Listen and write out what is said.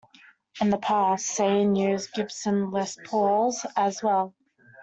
In the past, Sane used Gibson Les Pauls as well.